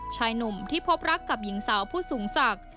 ชายหนุ่มที่พบรักกับหญิงสาวผู้สูงศักดิ์